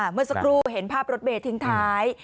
เมื่อสักครู่เห็นภาพรถเมย์ทิ้งท้าย